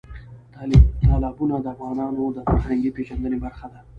تالابونه د افغانانو د فرهنګي پیژندنې برخه ده.